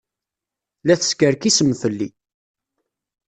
La teskerkisem fell-i.